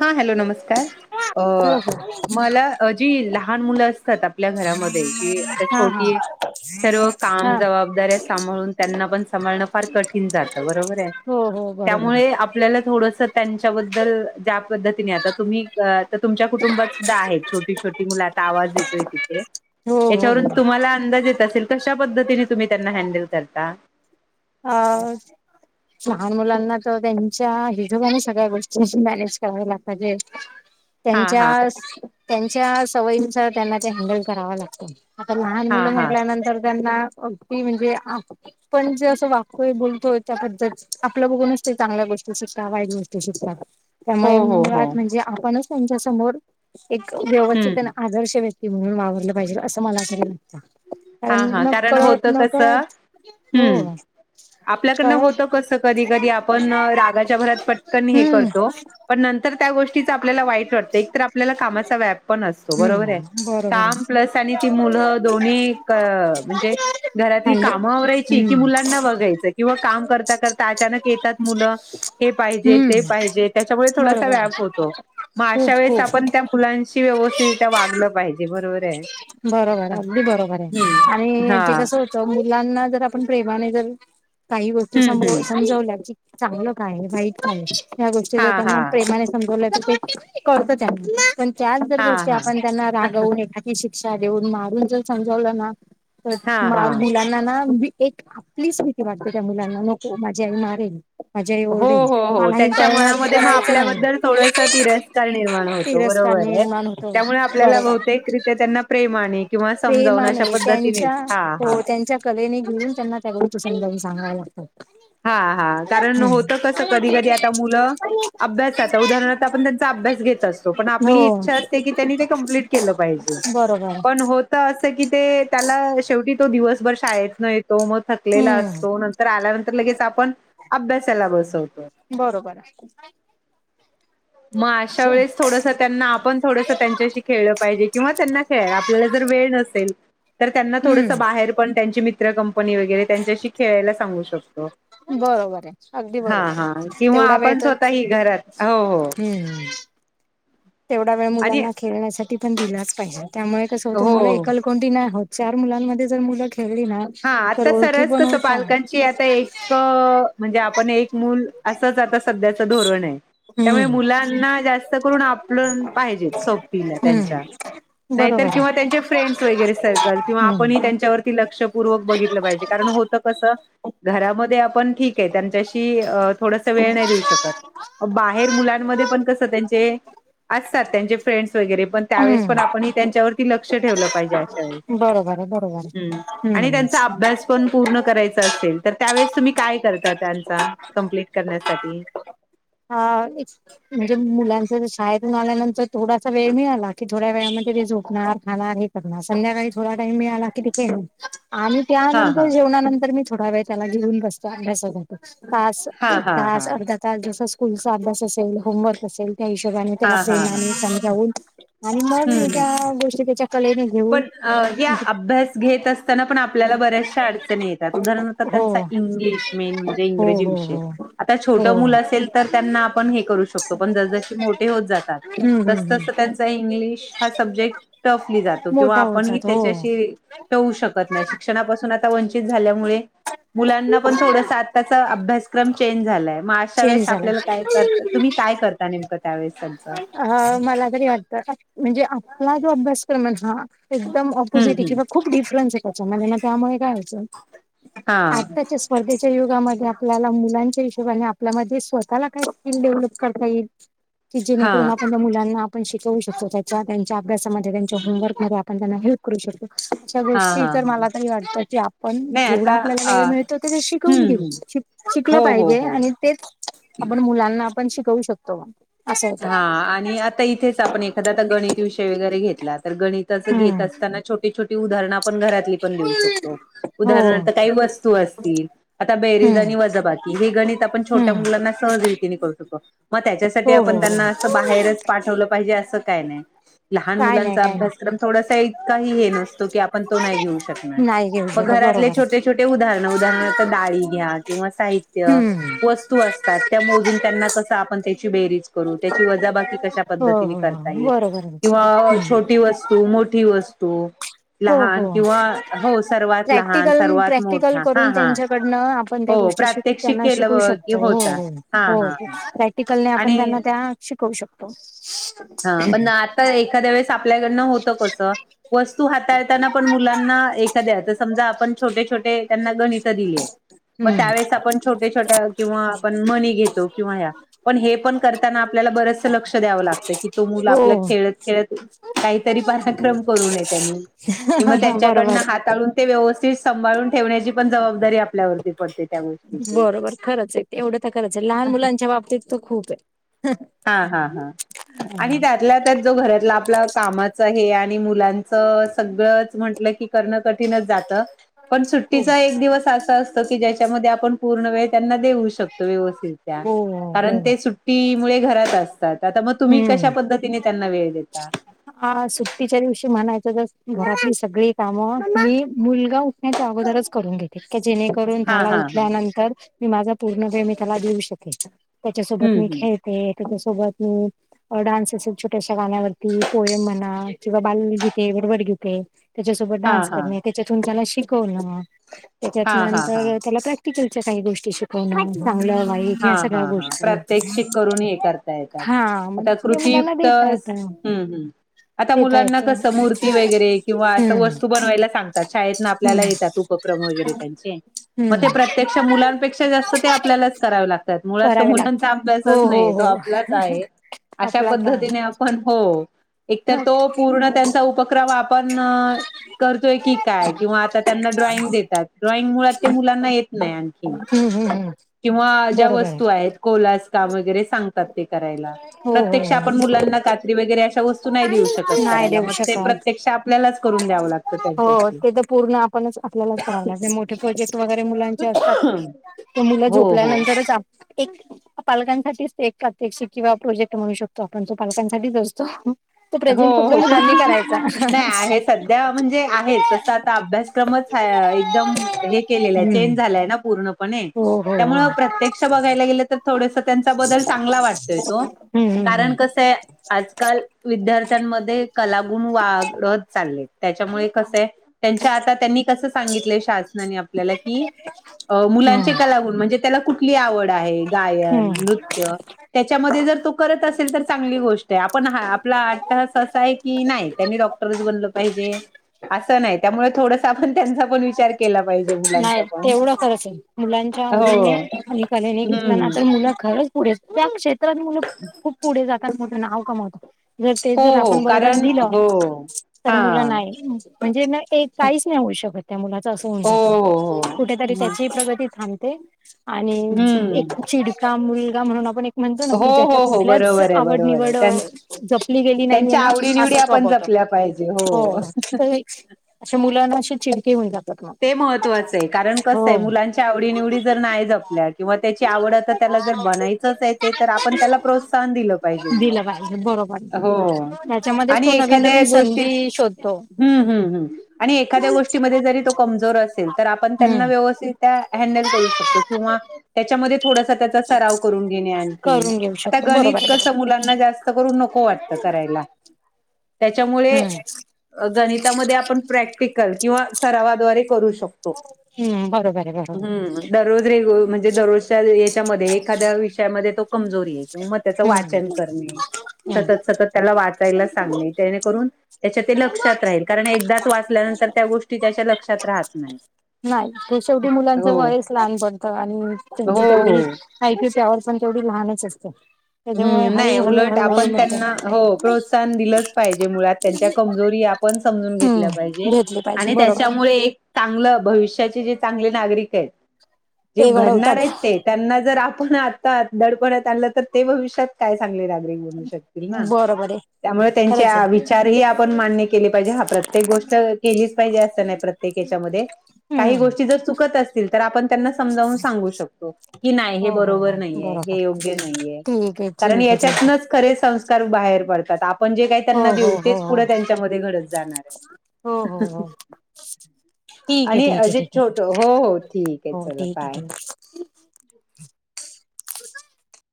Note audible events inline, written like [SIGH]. हा हॅलो नमस्कार अ हो हो मला जी लहान मुलं असतात आप आपल्या घरामध्ये जी आता हा हा छोटी सर्व काम हा जबाबदाऱ्या सांभाळून त्यांना पण सभा फ कठीण जात बरोबर आहे हो हो बरोबर त्यामुळे आपल्या थोडस त्यांच्याबद्दल ज्या पद्धतीने आता तुम्ही तुमच्या कुटुंात छी छी मु आवाज देतोय तिथे हो हो त्याच्यावरून हो तुम्हाला अंदाज येत असेल कशा पद्धतीने तुम्ही त्यांना हँडल करता हो लहान मुलांना तर त्यांच्या हिजोबाने सगळ्या गोष्टी मॅनेज कराव लाग पाहिजे ह त्यांच्या त्यांच्या सवयींस त्यांना ते हँडल कराव लागत आता लहान हा मुलं हा म्हटल्यानंतर त्यांना अगदी म्हणजे पण ज वाक्य बोलतोय त्या पद्धत आपलं बघूनच ते चांगल्या गोष्टी शिकता वाईट गोष्टी शिकता हो त्यामुळे हो हो मुळात म्हणजे आपणच त्यांच्या समोर एक व्यवस्थित हम्म आदर्श व्य ते म्हणून वावरलं पाहिजे असं मला तरी नगं कार हा हा न कारण कळत होत न कसं कळत हो हम्म आपल्याकडनं कळत होतं कसं कधी कधी आपण रागाच्या भरात पटकन हे हम्म करतो. पण नंतर त्या गोष्टीच आपल्याला वाईट वाटतं एकत आपल्याला कामाचा व्याप पण असतो बरोबर आहे हम्म बरोबर काम आहे. प्लस आणि ती मुलं दोन्ही अ म्हणजे घरातली हॅलो कामं आवरायची कि हम्म मुलांना ब यच किंवा काम करता करता अचानक येतात मुलं हे पाहिजे हम्म ते पाहिजे त्याच्यामुळे थोडासा बरोबर व्याप होतो मग अशा खूप वेळेस खूप आपण त्या मुलांशी व्यवस्थितित्या वागलं पाहिजे बरोबर आहे बरोबर आहे अगदी बरोबर आहे हम्म आणि हा ते कसं होतं मुलांना जर आपण प्रेमाने जर काही गोष्टी स हम्म हम्म समजवल्या की चांगलं काय वाईट काय ह गोष्टी हा जर हा त्यांना प्रेमाने त त्यां पण त्याच हा दरष्टी हा आपण त्यां रागवून एखा शिक्षा देऊ मारून जर समजवलं ना तर हा हा मुला ना मी एक आपली स् भीती वाटते त्या मुलांना नको माझी आई मारेल माझी आई हो ओरडेल हो हो मला हे त्यांच्या कळणार मनामध्ये मग करायचं नाही आपल्याबद्दल थोडस तिरस् निर्माण होतो तिरस्कार बरोबर आहे निर्माण होतो त्यामुळे आपल्याला बरोबर बहतेकित्या त्यांना प्रेमा आणि किंवा समजावून अशा प्रेमाने पद्धतीनेच हा हा कवेने घेऊन त्यांना त्या प्रसंगावी सांगाय लागतात हा हा कारण होत कस कधी कधी आता मुलं अभ्यास जात उदाहरणार आपण क हो बरोबर त असं कि ते त्याना शेवटी तो दिवसभर शाळेत नाहीत. तो मग थकलेला हम्म असतो नंतर आल्यानंतर लगेच आपण अभ्यासाला बसवतो. बरोबर हाय. मग अशा वेळेस थोडसं त्यांना आपण थोडसं त्यांच्याशी खेळलं पाहिजे किंवा त्यांना खेळ आपल्याला जर वेळ नसेल तर त्यांना थोडस हम्म बाहेर आपण त्यांची मित्र कंपनी वगैरे त्यांच्याशी खेळायला सांगू शकतो. बरोबर आहे अगदी हा बरोबर हा आहे किंवा तेवढा वेळ आपण तर स्वतःही घरात हो हो. हम्म तेवढा वेळ आणि मुलांना खेळण्यासाठी पण दिलाच पाहिजे त्यामुळे कसं होतं मुलं हो. एकलकोंडी नाही होत. चार मुलांमध्ये जर मुलं खेळली ना. हा तर आता ओळखी सरास पण कसं होता पालकांची आता एक क म्हणजे आपण एक मूल असंच आता सध्याच धोरणाय. त्यामुळे हम्म मुलांना जास्त करून आपलं पाहिजे सोबतीला त्यांच्या हम्म नाहीतर बरोबर आहे किंवा त्यांचे फ्रेंड्स वगैरे सर्कल किंवा आपण ही हम्म त्यांच्यावर लक्षपूर्वक बघितलं पाहिजे कारण होत कस घरामध्ये आप पण ठीक आहे त्यांच्याशी अ थोडस वेळ नाही देऊ शकत. बाहेर मुलांमध्ये पण कस त्यांचे असतात त्यांचे फ्रेंडस वगैरे पण त्यावेळेस पण हम्म आपण ही त्यांच्यावरती लक्ष ठेवलं पाहिजे अशा वेळी बरोबर आहे बरोबर हम्. आहे आणि हम्म त्यांचा अभ्यास पण पूर्ण करायचा असेल तर त्यावेेळेस तुम्ही काय करता त्यांचा. कंप्लीट करण्यासाठी. हा एक म्हणजे मुलांच शाळेतून आल्यानंतर थोडासा वेळ मिळाला. बाकी थोड्या वेळा मध्ये ती झोपणार खणार हे करणार संध्याकाळी थोडा टाईम मिळाला की ती खेळणार आम्ही हा हा त्यानंतर जेवणानंतर मी थोडा वेळ त्याला घेऊन बसते अभ्यासाला. तास हा एक हा हा तास अर्धा तास जस स्कूलचा अभ्यास असेल होमवर्क असेल त्या हिशोबाने त्याला प्रेमाने समजावून आणि मग मी हम् हम त्या गोष्टी त्याच्या कलेने घेऊन पण या अभ्यास घेत अस - ताना पण आपल्याला बऱ्याचशा अडचणी येतात उदारणार हो त्यांचा इंग्लिश मेन म्हणजे हो इंग्रजी हो विषय. हो आता छोट हो मुलं असेल तर त्यांना आपण हे करू शकतो पण जसजशी मोठे होत जातात हम्म हम्म हम्म तसतसं त्यांच इंग्लिश हा सब्जेक्ट टफली जातो किंवा मोठा होत आपण ही जात हो त्याच्याशी ठेवू शकत नाही शिक्षणापासून आता वंचित झाल्यामुळे मुलांना पण थोडस आता अताचा अभ्यासक्रम चेंज झालाय मग अशा चेंज वेळेस झाला आपल्याला काय करत तुम्ही काय करता नेमकं त्यावेळेस त्यांचं. ह मला तरी वाटतं म्हणजे आपला जो अभ्यासक्रमाय हा एकदम हम्म ऑपोजिट आहे हम्म किंवा खूप डिफरन्स आहे त्याच्यामध्ये ना त्यामुळे काय होचं हा आता स्पर्धेच्या युगामध्ये आपल्याला मुलांच्या हिशोबाने आपल्यामध्ये स्वतःला काय स्किल डेव्हलप करता येईल. की हा जेणेकरून आपण त्या मुलांना आपण शिकवू शकतो त्याच्या त्यांच्या अभ्यासामध्ये त्यांच्या होमवर्कमध्ये आपण त्यांना हेल्प करू शकतो अशा हा हा गोष्टी तर हा मला तरी वाटतं की आपण नाही जेवढ आता आपल्याला अ वेळ मिळ त तेथ शिकवून हम्म घेऊ हम्म श शिकल हो हो पाहिजे हो आणि तेच आपण मुलांना आपण शिकवू शकतो. असं होतं हा आणि आता इथे इथेच आपण एखादा आता गणित विषय वगैरे घेतला तर गणितच घेत हम्म असताना छोट छोटी छोटी उदाहरणं आपण घरातली पण देऊ शकतो हो उदाहरणार्थ काही वस्तू असतील. आता बेरीज हम्म आणि वजबाकी हे गणित आपण छोट्या हम्म मुलांना सहजरीतीने करू शकतो मग त्याच्यासाठी. ते हो हो आपण त्यांना अस हो बाहेरच पाठवलं पाहिजे असं काय नाही. लहान काय नाही मुलांचा काय नाही अभ्यासक्रम थोडासा इतकाही हे नसतो की आपण तो नाही घेऊ शकत. नाही घेऊ मग शकत घरातले बरोबर आहे छोटे छोटे उदाहरण उदाहरणार्थ डाळी घ्या किंवा साहित्य हम्म वतू असतात त्या मोजून त्यांना कस आपण त्याची बेरीज क - रून त्याची वजाबाकी कशा हो पद्धतीन हो करता हो येईल बरोबर किंवा आहे. छोटी वस्तू तू मोठी वस्तू. हो हो लहान किंवा हो सर्वात लहान प्रॅक्टिकल सर्वात प्रॅक्टिकल मोठा हा करून हा त्यांच्याकडनं आपण त्या हो गोष्टी शिक प्रात्यक्षिक त्यांना शिकू केलं की होता शकतो हा हा प्रॅक्टिकल आप आणि त्यां. त्या शिकवू शकतो. हा पण आता एखाद्या वेळेस आपल्याकडनं होतं कसं. वस्तू हाताळताना पण मुलांना एखाद्या समजा आपण छोटे छोटे त्यांना. गणित दिली हम्म त्यावेेळेस आपण छोट्या छोट्या किंवा आपण मणी घेतो किंवा ह. पण हे पण करताना आपल्याला बरेचस लक्ष द्यावं लागत तो मुल आपला हो खेळत खेळत काहीतरी पराक्रम करू नये त्यांनी कि मग त्यांच्याकडनं बरोबर ते व्यवथ सभाळून ठेवण्याची पण जबाबदारी आपल्यावरती पडते त्या गोष्टी बरोबर खरंच एक एवढं तर करच आहे लहान मुलांच्या बाबतीत तो खूप आहे. हा हा हा आणि हा त्यातल्या त्यात जो घरातला आपला. कामाच हे आणि मुलांचं सगळंच म्हंटलं की करणं कठीणच जात. पण खूप सुट्टीचा एक दिवस असा असतो की ज्याच्यामध्ये आपण पूर्ण वेळ त्यांना देऊ शकतो व्यवस्थित त्या. हो हो. ी मु घरात असतात आता मग तुम्ही कश्या पद्धतीने त्यांना वेळ देता. हा सुट्टीच्या दिवशी म्हणायचं जस घरातली सगळी कामं त्ही मुलगा उठण्याच्या अगोदरच. करून घेते जेणेकरून हा त्याला हा हा उठल्यानंतर मी माझा पूर्ण वे मी त्याला देऊ शकेल. त्याच्यासोबत हम्म मी हम्म खेळते त्याच्यासोबत मी. डान्स असेल छोट्याश्या गाण्यावरती पोयम म्हणा किंवा बालगीतेे बरोबर गीतेे. त्याच्यासोबत हा डान्स हा करणे त्याच्यातून त्याला शिकवण त्याच्यात हा हा हा नंतर त्याला प्रॅक्. च्या काही गोी श. ण चांगलं वाईट हा या हा सगळ्या हा गोष्टी प्रात्यक्षिक करून हे करता येतात. हा. म आता ते मला ना कृतीयुक्त देेत येत. हम्म हम्म. आता देता मुलांना येत कसं मूर्ती वगैरे किंवा असं हम्म वस्तू बनवायला सांगतात शाळेत ना हम्म आपल्याला येतातप उपक्रम वगैरे त्यांचे मग ते हम्म प्रत्यक्ष मुलांपेक्षा जास्त ते आपल्याला. करा ला मुात करावे लागत मुलाचा हो अभ्यास हो नाही तो हो आपलाच आहे अशा आपला पद्. टाइम हो एकत तो पूर्ण त्यांचा उपक्रम आपण. करतोय की काय किंवा आता त्यांना ड्रॉइंग देतात ड्रॉइंग मुळात ते मुलांना येत नाही आणखी. हम् हम् हम्. किंवा ज्या वस्तू आहेत कोलास का वगैरे सांगतात ते करायला हो हो प्रत्यक्ष आपण मुलांना. वगरे अशा वस्तू नाही देऊ शकत हो नाही करायला देऊ मग ते शकत प्रत्यक्ष आपल्यालाच. करून द्यावं लागतं हो त्यांच्याशी. ते तर पूर्ण आपणच आपल्याला वणारठ. मो प्रोजेक्ट वगैरे मुलांचे असतात मुलं हो हो. झोपल्यानंतरच. पालकांसाठीच एक प्रात्यक्षिक किंवा प्रोजेक्ट म्हणू शकतो आपण तो पालकांसाठीच असतो. तो हो प्रेझेंट सगळ हो मुलांनी करायचा. नाही आहे सध्या म्हणजे आहेच तस आता अभ्यासक्रमच एकदम. हे केलेलं हम्म चेंज झालाय ना पूर्णपणे हो हो हो त्यामुळे. हम्म प्रत्यक्ष बघायला गेलं तर थोडस त्यांचा बदल चांगला वाटतोय तो. हम्म कारण हम्म कसं आहे आजकाल. विद्यार्थ्यांमध्ये कलागुण वागत चालले त्याच्यामुळे कसे आहे. त्यांच्या आता त्यांनी कसं सांगितलं शाज. आपल्याला की मुलांचे हम्म का लागून म्हणजे त्याला कुठली आवड आहे. हम्म गायन नृत्य त्याच्यामध्ये जर तो करत असेल तर चांगली गोष्ट आहे आपण ह. आपला आठ तास असा आहे की नाही त्यांनी डॉक्टरच बनलं पाहिजे. असं नाही त्यामुळे थोडस आपण त्यांचा पण विचार केला पाहिजे नाही मुलांचा पण तेवढं खरच आहे मुलांच्या आवडीने हो आणि कलेने घेतलं ना हम्म तर मुलं खरंच पुढे त्या क्षेत्रात मुलं खूप पुढे जाताततं नाव कमावतं जर तेच हो जर हो आपण बर्डन कारण दिलं हो तर हा मुलं नाही म्हणजे न एक काहीच नाही होऊ शकत त्या मुलाच असं होऊन हो हो जात. हो कुठेतरी हम्म त्याची प्रगती थांबते आणि एक चीड का मुलगा म्हणून आपण एक म्हणतो ना हो की हो ज्याच्या हो कुठल्याच बरोबर आहे आवड, बरोबर आहे निवड त्यां जपली गेली नाहीये त्यांच्या ना आवडीनिवडी असं आपण स्वभावतो. जपल्या पाहिजे हो तर ही अशी मुलांना अशी चिडकी हुन जातात मग. ते महत्वाचं आहे कारण कसं आहे हो मुलांच्या आवडी, निवडी जर नाही जपल्या किंवा त्याची आवडत त्याला जर बनायच चच आपण त्याला प्रोत्सान दिलं पाहिजे मग दिलं पाहिजे बरोबर. हो. त्याच्यामध्येच आणि तो नवीन एखाद्या नवीन गोष्टी संधी शोधतो. हम्म, हम्म आणि एखाद्या गोष्टीमध्ये जरी तो कमजोर असेल तर आपण त्यांना हम्म व्यवस्थित हँडल करू शकतो किंवा त्याच्यामध्ये थोडासा त्याचा सराव करून घेणे आणखी करून घेऊ आता शकतो गणित बरोबर आहे कस बरोबर. मुलांना जास्त. नको वाटत करायला त्याच्यामुळे हम्म गणितामध्ये आपण प्रॅक्टिकल किंवा सरावाद्वारे करू शकतो. हम्म बरोबर आहे हो बरोबर हम्म, हम्म. दररोज रेग म्हणजे दररोजच्या याच्यामध्ये एखाद्या विषयामध्ये तो कमजोरी आहे. मग त्याचं हम्म वाचन करणे हम्म. सतत, सतत त्याला वाचायला सांगणे जणेकरून त्याच्या ते लक्षात राहील कारण एकदाच वाचल्यानंतर त्या गोष्टी त्याच्या लक्षात राहत नाही. नाही ते शेवटी मुलांचं हो वयच लहान पडतं आणि त्यांची हो तेवढी हो. हाइट त्यावर पण तेवढी लहानच असते. त्याच्यामुळे हम्म नाही हळूहळू उलट हळूहळू आपण मिळते त्यांना हो प्रोत्साहन दिलंच पाहिजे मुळात त्यांच्या कमजोरी आपण पण समजून घेतल्या हम्म पाहिजे घेतली पाहिजे आणि बरोबर त्याच्यामुळे एक चांगलं भविष्याचे जे चांगले नागरिक आहेत जे ते घडणार घडवतात आहेत. ते त्यांना जर आपण आता दडपडत आणलं तर ते भविष्यात काय चांगले नागरिक बनू शकतील ना बरोबर आहे त्यामुळे खरंच त्यांच्या आहे विचार चारही आपण मान्य केले पाहिजे हा प्रत्येक गोष्ट केलीच पाहिजे असं नाही प्रत्येक याच्यामध्ये. काही हम्म गोष्टी जर चुकत असतील तर आपण त्यांना समजावून सांगू शकतो की नाही हे हो हो बरोबर हो नाहीये, बरोबर हे योग्य नाहीये. ठीक आहे कारण ठीक आहे ठीक आहे यांच्यातनच खरे संस्कार बाहेर पडतात. पण जे काही हो त्यांना हो देऊ हो तेच हो पुढं त्यांच्यामध्ये घडत जाणार हो हो आहे. हो ठीक आहे आणि ठीक आहे अजित ठीक आहे छोट हो हो ठीक आहे हो चला ठीक आहे ठीक बाय. आहे [INAUDIBLE] त [UNINTELLIGIBLE]